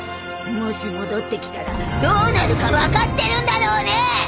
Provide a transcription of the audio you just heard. もし戻ってきたらどうなるか分かってるんだろうね！